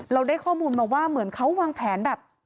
เราได้ข้อมูลมาว่าเหมือนเขาวางแผนแบบ